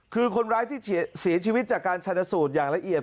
คือคนร้ายที่เสียชีวิตจากการชนสูตรอย่างละเอียด